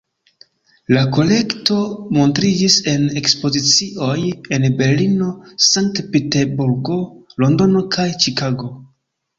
La kolekto montriĝis en ekspozicioj en Berlino, Sankt-Peterburgo, Londono kaj Ĉikago.